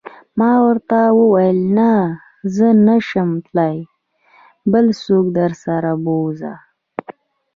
ما ورته وویل: نه، زه نه شم تلای، بل څوک درسره و بوزه.